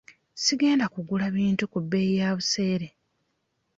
Sigenda kugula bintu ku bbeeyi ya buseere.